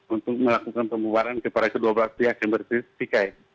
untuk melakukan pembubaran kepada kedua belah pihak yang bersikai